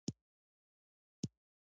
ترموز له یخ سره جګړه کوي.